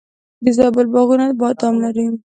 د زابل باغونه بادام لري.